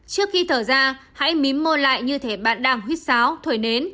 trước khi thở ra hãy mí môi lại như thế bạn đang huyết xáo thổi nế